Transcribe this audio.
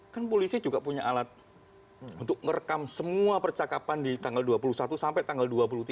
kan polisi juga punya alat untuk merekam semua percakapan di tanggal dua puluh satu sampai tanggal dua puluh tiga